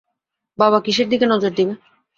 বাবা কিসের দিকে নজর দিবে?